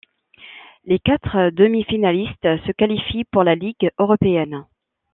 Les quatre demi-finalistes se qualifient pour la Ligue européenne.